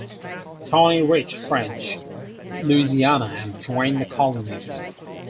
Tonti reached French Louisiana and joined the colony.